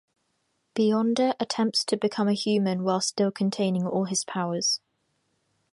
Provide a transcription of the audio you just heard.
Beyonder attempts to become a human while still containing all his powers.